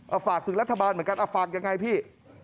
เอาฝากถึงรัฐบาลเหมือนกันเอาฝากยังไงพี่